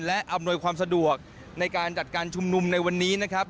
และอำนวยความสะดวกในการจัดการชุมนุมในวันนี้นะครับ